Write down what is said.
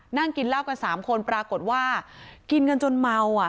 นั่งกินเหล้ากัน๓คนปรากฏว่ากินกันจนเมาอ่ะ